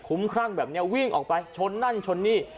คุ้มครั่งแบบนี้วิ่งออกไปชนนั่นชนนี่